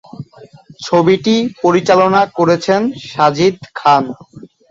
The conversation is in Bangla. ছবিটি পরিচালনা করেছেন সাজিদ খান।